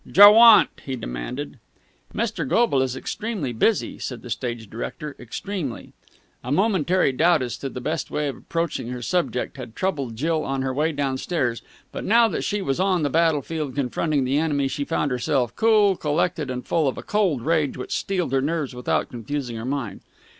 "'Jer want?" he demanded. "Mr. Goble is extremely busy," said the stage director. "Extremely." A momentary doubt as to the best way of approaching her subject had troubled Jill on her way downstairs, but, now that she was on the battlefield confronting the enemy, she found herself cool, collected, and full of a cold rage which steeled her nerves without confusing her mind.